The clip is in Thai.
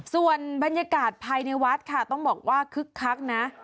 ส่วนบรรยากาศภายในวัดค่ะต้องบอกว่าคึกคักนะ